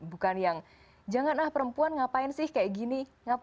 bukan yang janganlah perempuan ngapain sih kayak gini